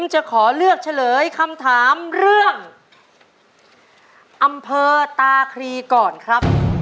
จะขอเลือกเฉลยคำถามเรื่องอำเภอตาครีก่อนครับ